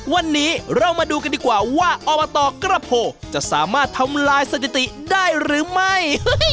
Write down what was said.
วันนี้เรามาดูกันดีกว่าว่าอบตกระโพจะสามารถทำลายสถิติได้หรือไม่